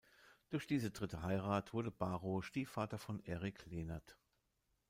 Durch diese dritte Heirat wurde Bahro Stiefvater von Erik Lehnert.